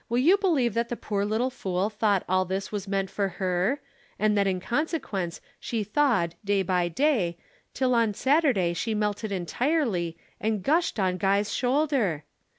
"Will you believe that the poor little fool thought all this was meant for her, and that in consequence she thawed day by day till on Saturday she melted entirely and gushed on Guy's shoulder?